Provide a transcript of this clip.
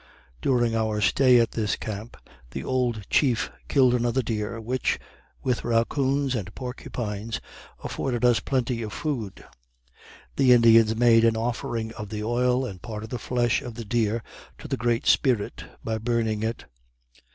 During our stay at this camp, the old Chief killed another deer, which, with raccoons and porcupines, afforded us plenty of food. The Indians made an offering of the oil, and part of the flesh of the deer, to the Great Spirit, by burning it.